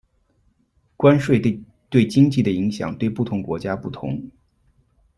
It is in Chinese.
关税对经济的影响对不同国家不同。